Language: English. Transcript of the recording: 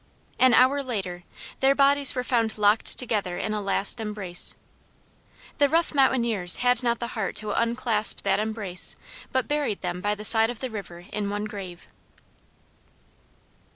An hour later their bodies were found locked together in a last embrace. The rough mountaineers had not the heart to unclasp that embrace but buried them by the side of the river in one grave.